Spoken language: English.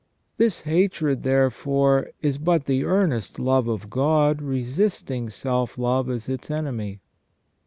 This hatred, there fore, is but the earnest love of God resisting self love as its enemy.